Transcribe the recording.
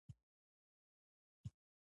کوتره د سپین رنګ ښکلا ده.